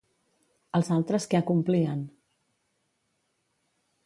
Els altres què acomplien?